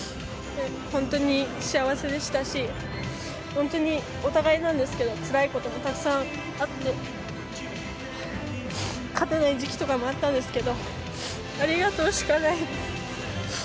本当に幸せでしたし、本当にお互いなんですけど、つらいこともたくさんあって、勝てない時期とかもあったんですけど、ありがとうしかないです。